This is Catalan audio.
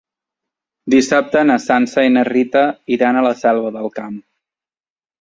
Dissabte na Sança i na Rita iran a la Selva del Camp.